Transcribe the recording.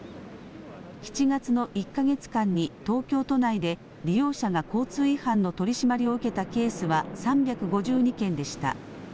７月の１か月間に東京都内で利用者が交通違反の取締りを受けたケースは３５２件でした。